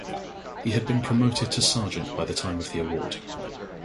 He had been promoted to Sergeant by the time of the award.